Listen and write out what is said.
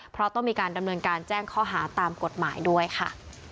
เพราะต้องมีการดำเนินการแจ้งข้อหาตามกฎหมายด้วยค่ะ